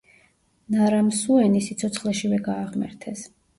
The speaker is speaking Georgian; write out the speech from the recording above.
ნარამსუენი სიცოცხლეშივე გააღმერთეს.